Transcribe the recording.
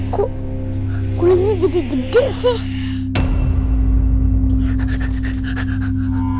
kok kulungnya jadi gede sih